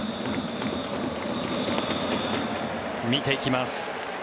見ていきます。